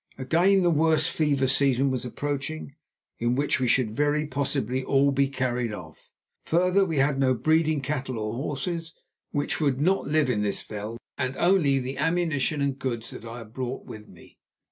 Again, the worst fever season was approaching, in which we should very possibly all be carried off. Further, we had no breeding cattle or horses, which would not live in this veld, and only the ammunition and goods that I had brought with me.